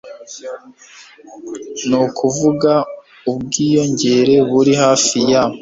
ni ukuvuga ubwiyongere buri hafi ya